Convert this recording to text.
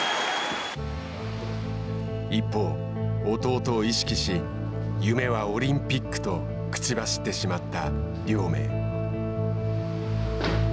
一方、弟を意識し夢はオリンピックと口走ってしまった亮明。